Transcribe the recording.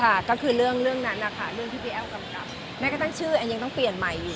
ค่ะก็คือเรื่องเรื่องนั้นแหละค่ะเรื่องที่พี่แอ้วกำกับแม้กระทั่งชื่อแอนยังต้องเปลี่ยนใหม่อยู่